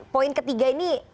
poin ketiga ini